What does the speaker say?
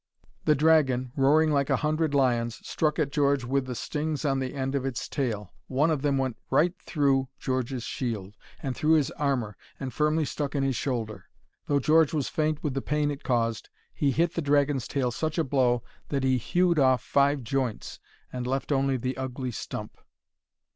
The dragon, roaring like a hundred lions, struck at George with the stings on the end of its tail. One of them went right through George's shield, and through his armour, and firmly stuck in his shoulder. Though George was faint with the pain it caused, he hit the dragon's tail such a blow that he hewed off five joints and left only the ugly stump.